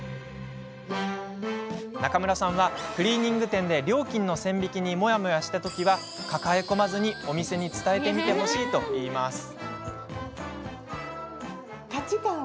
中村さんはクリーニング店で料金の線引きにモヤモヤしたときは抱え込まずに、お店に伝えてみてほしいといいます。